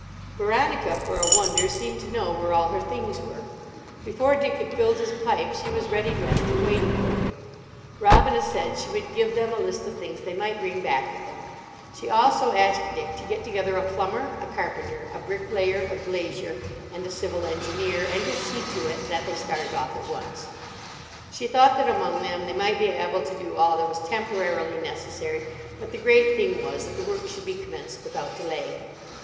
Veronica for a wonder seemed to know where all her things were. Before Dick had filled his pipe she was ready dressed and waiting for him. Robina said she would give them a list of things they might bring back with them. She also asked Dick to get together a plumber, a carpenter, a bricklayer, a glazier, and a civil engineer, and to see to it that they started off at once. She thought that among them they might be able to do all that was temporarily necessary, but the great thing was that the work should be commenced without delay.